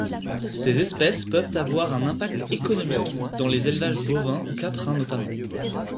Ces espèces peuvent avoir un impact économique, dans les élevages bovins ou caprins notamment.